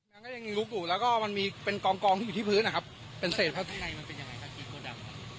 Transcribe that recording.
แล้วก็มันมีเป็นกองกองที่อยู่ที่พื้นนะครับเป็นเศษมันเป็นยังไงครับ